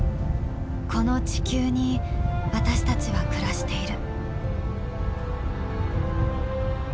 この地球に私たちは暮らしている。